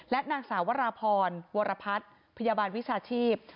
นางสาววราพรวรพัฒน์พยาบาลวิชาชีพ